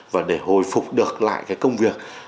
và để hồi phục được lại cái công việc